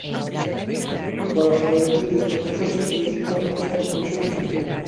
Para garantir este proceso solicitan á empresa unha comisión de seguimento.